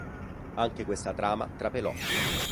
Anche questa trama trapelò.